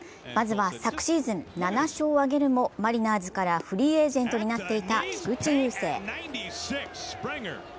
まずは、昨シーズン７勝を挙げるもマリナーズからフリーエージェントになっていた菊池雄星。